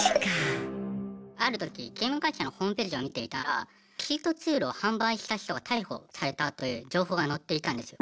ある時ゲーム会社のホームページを見ていたらチートツールを販売した人が逮捕されたという情報が載っていたんですよ。